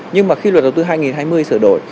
nhưng mà khi luật đầu tư hai nghìn hai mươi sửa đổi